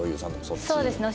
そうですね。